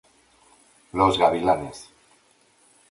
Los Gavilanes